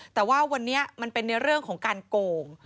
แต่ว่าวันนี้มันเป็นในเรื่องของการโกง